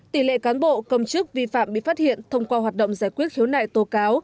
tỷ lệ cán bộ công chức vi phạm bị phát hiện thông qua hoạt động giải quyết khiếu nại tố cáo